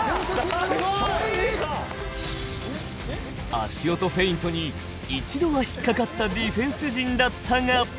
足音フェイントに一度は引っかかったディフェンス陣だったが。